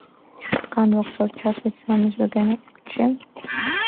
განვაგრძოთ: ჩასვით სამი ზვიგენი ყუთში.